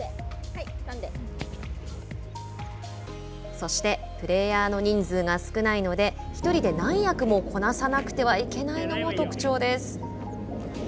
そして、プレーヤーの人数が少ないので１人で何役もこなさなくてはいけないのも特徴です。